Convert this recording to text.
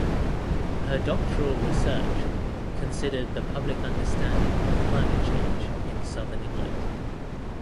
Her doctoral research considered the public understanding of climate change in Southern England.